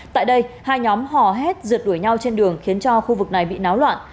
tại đây hai nhóm hò hét rượt đuổi nhau trên đường khiến cho khu vực này bị náo loạn